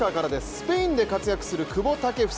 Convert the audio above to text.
スペインで活躍する久保建英。